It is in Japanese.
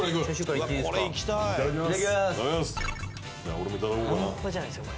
俺もいただこうかな。